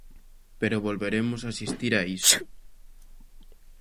Pero volveremos asistir a iso.